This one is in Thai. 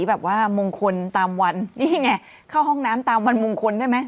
แบบว่ามงคลตามวันนี่ไงเข้าห้องน้ำตามวันมงคลได้ไหม